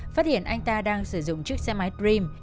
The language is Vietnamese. phát hiện anh ta đang sử dụng chiếc xe máy dream